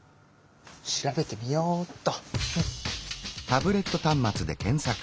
調べてみようっと！